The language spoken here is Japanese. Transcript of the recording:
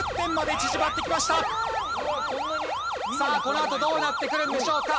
さあこのあとどうなってくるんでしょうか？